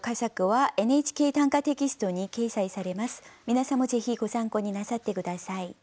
皆さんもぜひご参考になさって下さい。